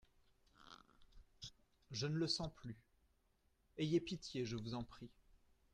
Je ne le sens plus … Ayez pitié, je vous en prie.